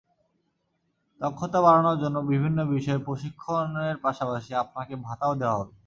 দক্ষতা বাড়ানোর জন্য বিভিন্ন বিষয়ে প্রশিক্ষণের পাশাপাশি আপনাকে ভাতাও দেওয়া হবে।